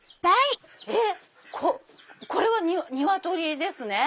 これはニワトリですね。